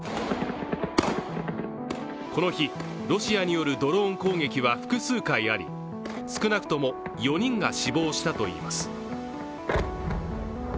この日、ロシアによるドローン攻撃は複数回あり少なくとも４人が死亡したといいます。